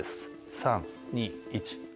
３・２・１。